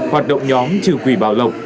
hoạt động nhóm trừ quỷ bảo lộc